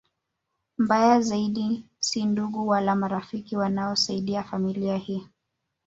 Mbaya zaidi si ndugu wala marafiki wanaoisaidia familia hii